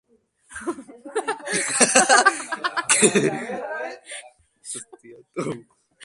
Zurrumurruak baino ez dira, jakina, eta informazio ofizialaren zain geldituko gara.